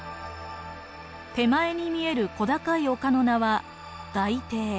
手前に見える小高い丘の名は街亭。